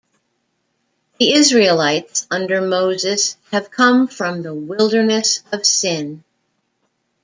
The Israelites under Moses have come from the wilderness of Sin.